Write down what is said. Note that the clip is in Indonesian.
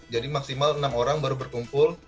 jadi maksimal enam orang baru berkumpul